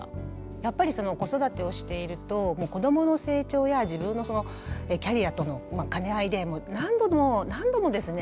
やっぱりその子育てをしていると子どもの成長や自分のそのキャリアとの兼ね合いで何度も何度もですね